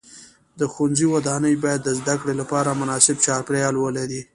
د ښوونځي ودانۍ باید د زده کړې لپاره مناسب چاپیریال ولري.